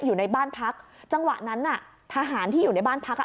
อยู่ในบ้านพักจังหวะนั้นน่ะทหารที่อยู่ในบ้านพักอ่ะ